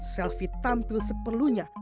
selfie tampil sepenuhnya